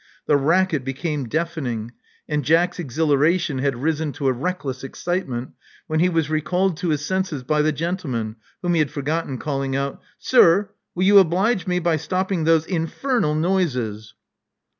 The racket became deafening; and Jack's exhilaration had risen to a reckless excitement, when he was recalled to his senses by the gentleman, whom he had forgot ten, calling out: Sir: will you oblige me by stopping those in'/emel noises."